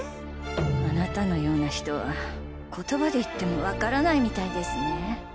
あなたのような人は言葉で言ってもわからないみたいですね